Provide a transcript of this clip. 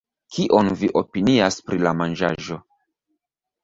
Kion vi opinias pri la manĝaĵo